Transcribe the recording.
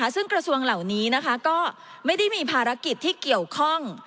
ซึ่งกระทรวงเหล่านี้ก็ไม่ได้มีภารกิจที่เกี่ยวข้อง